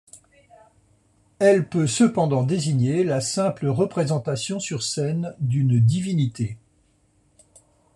Elle peut, cependant, désigner la simple représentation sur scène d'une divinité.